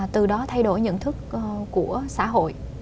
từ đó thay đổi nhận thức của xã hội